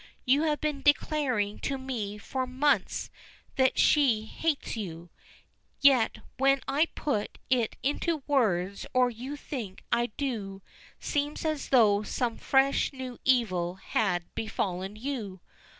You have been declaring to me for months that she hates you, yet when I put it into words, or you think I do, it seems as though some fresh new evil had befallen you.